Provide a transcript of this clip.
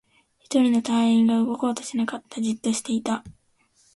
一人の隊員が動こうとしなかった。じっとしていた。